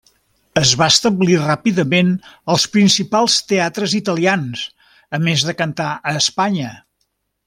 Es va establir ràpidament als principals teatres italians, a més de cantar a Espanya.